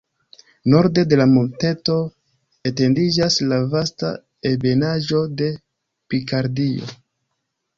Norde de la monteto etendiĝas la vasta ebenaĵo de Pikardio.